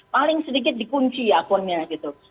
paling sedikit dikunci akunnya gitu